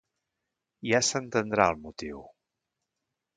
Ja s'entendrà el motiu.